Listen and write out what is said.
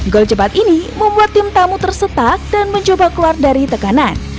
gol cepat ini membuat tim tamu tersetak dan mencoba keluar dari tekanan